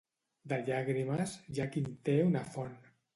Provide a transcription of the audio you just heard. De llàgrimes, hi ha qui en té una font.